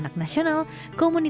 dan orang tua